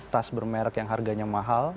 tas bermerek yang harganya mahal